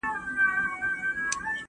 په هر پوځ کي برتۍ سوي یو پلټن یو ..